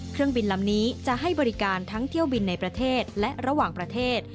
เครื่องบินลำนี้จะให้บริการทั้งเที่ยวบินในประเทศและระหว่างประเทศ